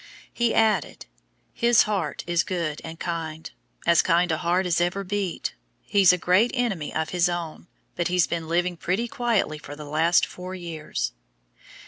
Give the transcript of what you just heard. He added, "His heart is good and kind, as kind a heart as ever beat. He's a great enemy of his own, but he's been living pretty quietly for the last four years."